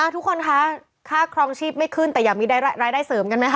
ทุกคนคะค่าครองชีพไม่ขึ้นแต่อยากมีรายได้เสริมกันไหมค